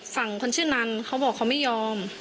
ฝั่งคนชื่อนันเขาบอกเขาไม่ยอม